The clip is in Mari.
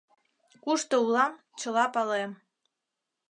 Кушто улам — чыла палем.